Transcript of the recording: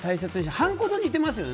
はんこと似てますよね。